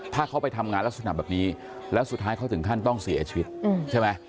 ถ้าเขาไปทำงานลักษณะแบบนี้แล้วสุดท้ายเขาถึงขั้นต้องเสียชีวิตใช่ไหม